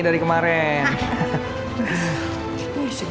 karena ya benesus